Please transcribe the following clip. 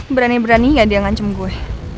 berani berani gak dia ngancem gue